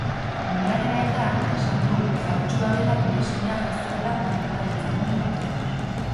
Umearen aitak esan du faltsua dela bere semea jo zuela merkataritza-gune batean.